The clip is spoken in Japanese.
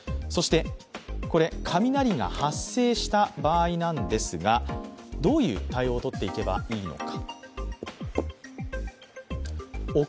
雷が発生した場合なんですが、どういう対応をとっていけばいいのか。